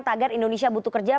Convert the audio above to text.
tagar indonesia butuh kerja